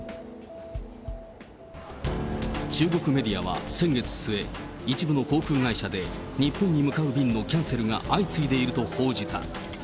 中国メディアは先月末、一部の航空会社で日本に向かう便のキャンセルが相次いでいると報じた。